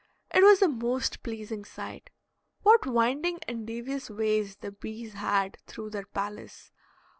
It was a most pleasing sight. What winding and devious ways the bees had through their palace!